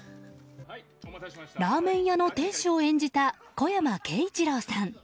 ラーメン屋の店主を演じた小山慶一郎さん。